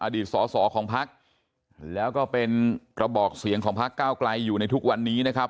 สอสอของพักแล้วก็เป็นกระบอกเสียงของพักเก้าไกลอยู่ในทุกวันนี้นะครับ